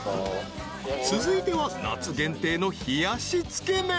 ［続いては夏限定の冷やしつけ麺］